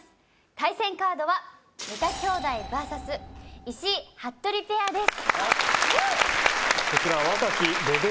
対戦カードは三田兄弟バーサス石井・服部ペアです